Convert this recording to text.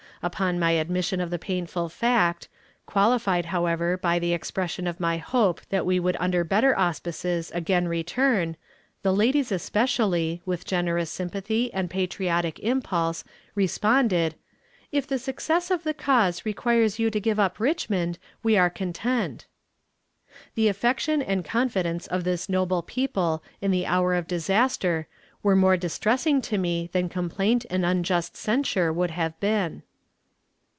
Upon my admission of the painful fact, qualified, however, by the expression of my hope that we would under better auspices again return, the ladies especially, with generous sympathy and patriotic impulse, responded, "If the success of the cause requires you to give up Richmond, we are content." The affection and confidence of this noble people in the hour of disaster were more distressing to me than complaint and unjust censure would have been.